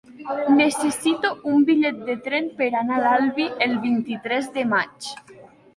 Necessito un bitllet de tren per anar a l'Albi el vint-i-tres de maig.